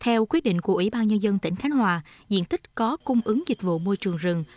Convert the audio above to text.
theo quyết định của ủy ban nhân dân tỉnh khánh hòa diện tích có cung ứng dịch vụ môi trường rừng